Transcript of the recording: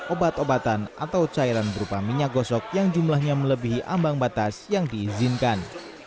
obat obatan atau cairan berupa minyak gosok yang jumlahnya melebihi ambang batas yang diizinkan